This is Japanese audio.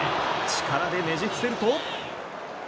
力でねじ伏せると。